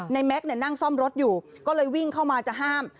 แม็กซ์นั่งซ่อมรถอยู่ก็เลยวิ่งเข้ามาจะห้าม